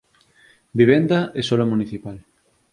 Vivenda e solo municipal